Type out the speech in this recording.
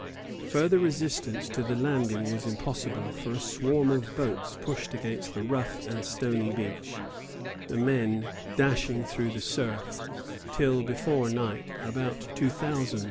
] Further resistance to the landing was impossible, for a swarm of boats pushed against the rough and stony beach, the men dashing through the surf, till before night about two thousand were on shore.